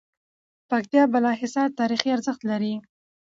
پکتيا بالاحصار تاريخي ارزښت لری